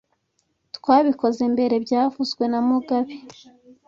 Twabikoze mbere byavuzwe na mugabe